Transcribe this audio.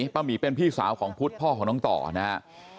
หมีเป็นพี่สาวของพุทธพ่อของน้องต่อนะครับ